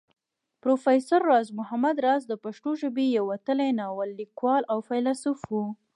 پروفېسر راز محمد راز د پښتو ژبې يو وتلی ناول ليکوال او فيلسوف وو